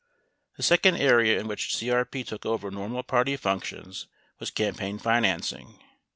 The second area in which CRP took over normal party functions was campaign financing.